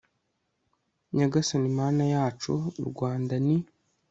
nyagasani mana yacu, u rwanda ni